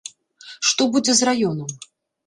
Што будзе з раёнам?